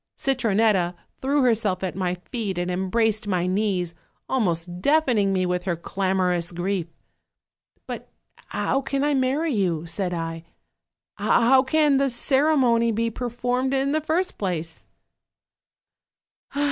Citronetta threw herself at my feet and embraced my knees, almost deaf ening me with her clamorous grief. 'But how can I marry you?' said I, 'how can the ceremony be per formed, in the first place?'